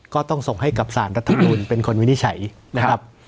ก็ต้องส่งให้กับสารรัฐมนุนเป็นคนวินิจฉัยนะครับ